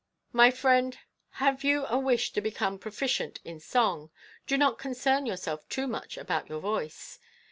My friend, have you a wish to become proficient in song? Do not concern yourself too much about your voice.